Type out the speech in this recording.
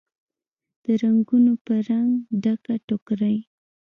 د رنګونوپه رنګ، ډکه ټوکرۍ